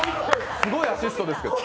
すごいアシストですけど。